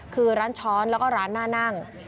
คือร้านช้อนแล้วก็ร้านหน้านั่ง